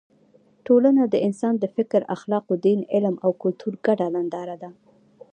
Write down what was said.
ټولنه د انسان د فکر، اخلاقو، دین، علم او کلتور ګډه ننداره ده.